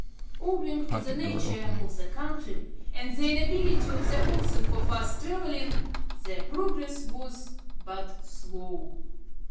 Owing to the nature of the country, and the inability of the oxen for fast travelling, their progress was but slow.